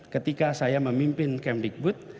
ketika saya memimpin kemdikbud